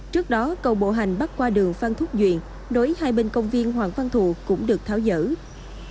trước đó cầu bộ hành bắt qua đường phan thúc duyện nối hai bên công viên hoàng văn thụ cũng được tháo dỡ